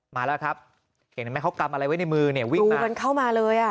มาแล้วครับเห็นไหมเขากำอะไรไว้ในมือเนี่ยวิ่งดูกันเข้ามาเลยอ่ะ